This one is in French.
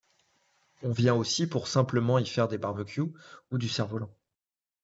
On vient aussi pour simplement pour y faire des barbecues ou du cerf-volant.